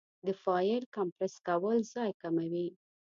د فایل کمپریس کول ځای کموي.